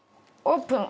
オープン！